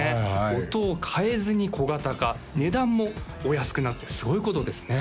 音を変えずに小型化値段もお安くなってすごいことですね